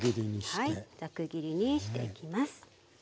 はいザク切りにしていきます。